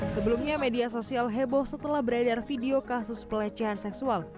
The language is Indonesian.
sebelumnya media sosial heboh setelah beredar video kasus pelecehan seksual